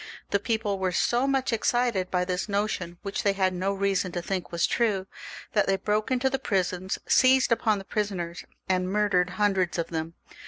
The people were so much excited by this notion, which they had no reason to think was true, that they broke into the prisons, seized upon the prisoners, and murdered hundreds of them.